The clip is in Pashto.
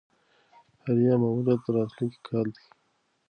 هیرا ماموریت راتلونکی کال دی.